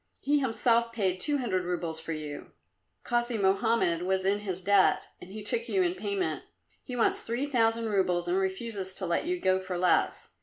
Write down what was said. He himself paid two hundred roubles for you. Kasi Mohammed was in his debt, and he took you in payment. He wants three thousand roubles and refuses to let you go for less.